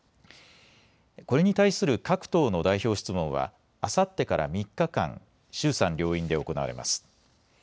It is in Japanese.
これに対する各党の代表質問はあさってから３日間、衆参両院で行われます。